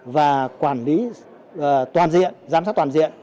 và quản lý toàn diện giám sát toàn diện